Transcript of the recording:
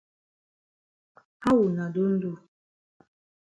How wuna don do?